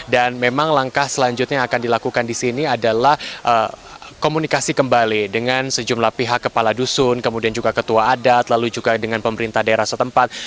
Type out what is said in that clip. dan memang langkah selanjutnya yang akan dilakukan di sini adalah komunikasi kembali dengan sejumlah pihak kepala dusun kemudian juga ketua adat lalu juga dengan pemerintah daerah setempat